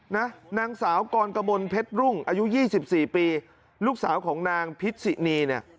นางสาวกรกมลเพชรรุ่งอายุยี่สิบสี่ปีลูกสาวของนางพิษินีเนี่ย